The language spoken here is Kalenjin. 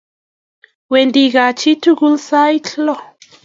Wendi kaa chi tukul sait lo